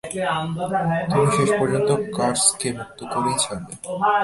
তুমি শেষপর্যন্ত কার্সকে মুক্ত করেই ছাড়লে।